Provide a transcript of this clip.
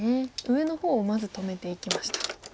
上の方をまず止めていきました。